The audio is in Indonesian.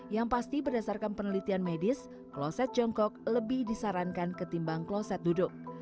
yang pasti berdasarkan penelitian medis kloset jongkok lebih disarankan ketimbang kloset duduk